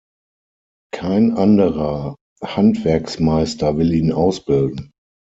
Kein anderer Handwerksmeister will ihn ausbilden.